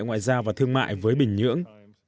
ngoại giao và thương mại với bình nhưỡng